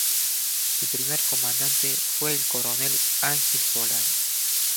Su primer comandante fue el coronel Ángel Solari.